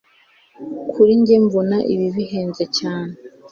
kuri njye mbona ibi bihenze cyane